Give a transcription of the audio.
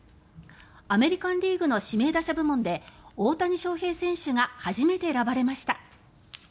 アメリカン・リーグの指名打者部門で大谷翔平選手が初めて選ばれました。